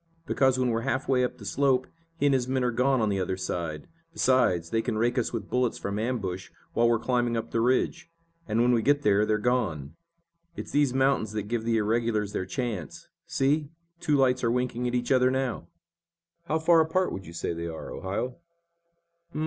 "Because when we're half way up the slope he and his men are gone on the other side. Besides, they can rake us with bullets from ambush, while we're climbing up the ridge. And when we get there, they're gone. It's these mountains that give the irregulars their chance. See, two lights are winking at each other now!" "How far apart would you say they are, Ohio?"